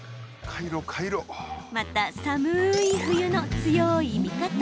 また、寒い冬の強い味方